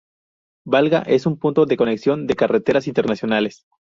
Valga es un punto de conexión de carreteras internacionales.